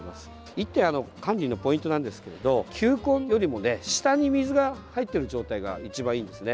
１点、管理のポイントなんですけれど球根よりも下に水が入っている状態が一番いいんですね。